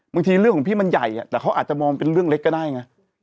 บางทีเรื่องของพี่มันใหญ่แต่เขาอาจจะมองเป็นเรื่องเล็กก็ได้ไง